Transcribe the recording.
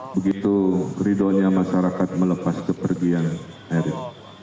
begitu ridhonya masyarakat melepas kepergian eril